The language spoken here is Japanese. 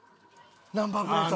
ナンバープレート。